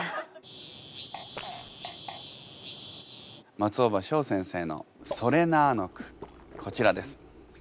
松尾葉翔先生の「それな」の句こちらです。